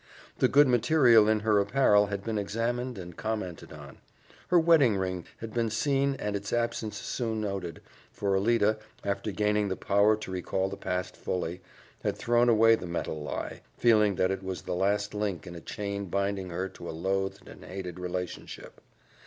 The good material in her apparel had been examined and commented on; her wedding ring had been seen and its absence soon noted, for Alida, after gaining the power to recall the past fully, had thrown away the metal lie, feeling that it was the last link in a chain binding her to a loathed and hated relationship.